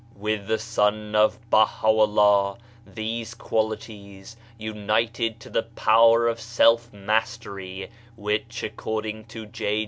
Withthc sonof Baha'u'llah these qualities, united to the power of self mastery which, according to J.